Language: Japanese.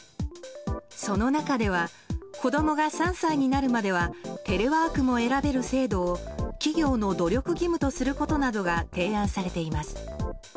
その中では子供が３歳になるまではテレワークも選べる制度を企業の努力義務とすることなどが提案されています。